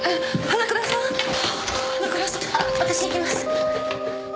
あっ私行きます。